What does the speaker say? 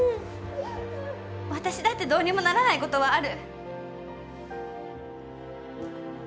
私だってどうにもならないことはある。